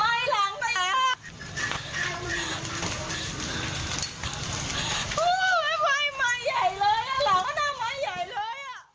ไหม้ใหญ่เลยอะหลังนั้นไหม้ใหญ่เลย